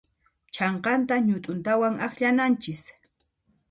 Chhanqanta ñut'untawan akllananchis.